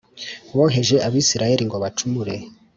woheje Abisirayeli ngo bacumure